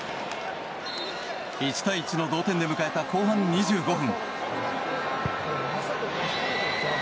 １対１の同点で迎えた後半２５分。